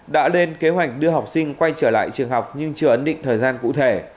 đã lên kế hoạch đưa học sinh quay trở lại trường học nhưng chưa ấn định thời gian cụ thể